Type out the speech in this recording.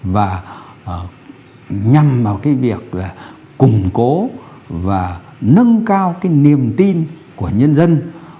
và nhằm vào cái việc là củng cố và nâng cao cái niềm tin của nhân dân